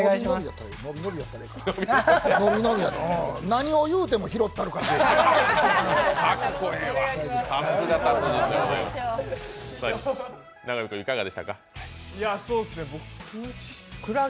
何を言うても拾ってやるから。